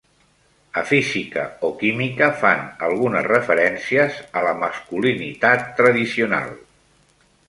A Física o Química fan algunes referències a la masculinitat tradicional.